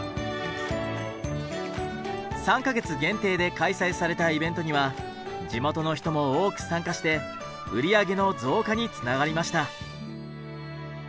３か月限定で開催されたイベントには地元の人も多く参加して売り上げの増加につながりました。